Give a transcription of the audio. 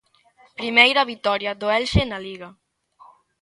Primeira vitoria do Elxe na Liga.